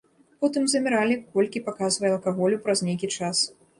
Потым замяралі, колькі паказвае алкаголю праз нейкі час.